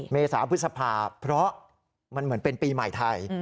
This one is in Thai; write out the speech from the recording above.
เมษาพฤษภาเพราะมันเหมือนเป็นปีใหม่ไทย